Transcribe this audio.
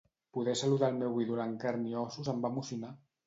Poder saludar el meu ídol en carn i ossos em va emocionar.